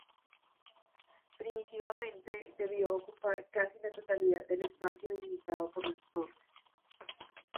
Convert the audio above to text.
Primitivamente debió ocupar casi la totalidad del espacio delimitado por las torres.